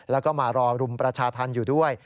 แล้วก็มารอรุมประชาธรรมอยู่ด้วย